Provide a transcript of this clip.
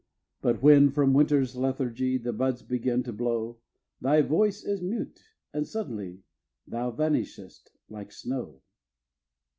But when from winter's lethargy The buds begin to blow, Thy voice is mute, and suddenly Thou vanishest like snow.